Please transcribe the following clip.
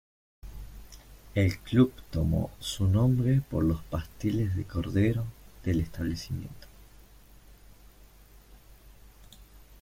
El club tomó su nombre por los pasteles de cordero del establecimiento.